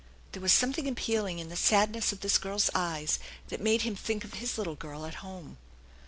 There was something appealing in the sadness of this girl's eyes that made him think of his little girl at home.